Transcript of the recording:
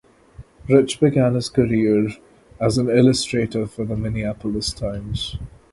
Rich began his career as an illustrator for the "Minneapolis Times".